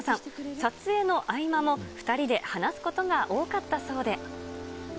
撮影の合間も、２人で話すことが多かったそうで。